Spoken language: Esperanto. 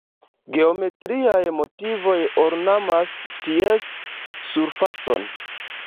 Geometriaj motivoj ornamas ties surfacon.